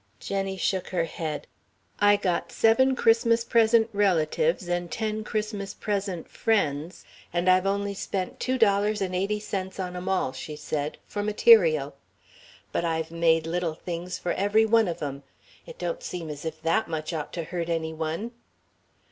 Jenny shook her head. "I got seven Christmas present relatives and ten Christmas present friends, and I've only spent Two Dollars and Eighty cents on 'em all," she said, "for material. But I've made little things for every one of 'em. It don't seem as if that much had ought to hurt any one."